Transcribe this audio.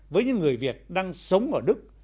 với những người việt đang sống ở đức